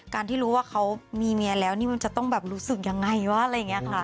การที่รู้ว่าเขามีเมียแล้วนี่มันจะต้องแบบรู้สึกยังไงวะอะไรอย่างนี้ค่ะ